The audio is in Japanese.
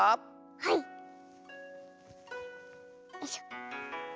はい！よいしょ。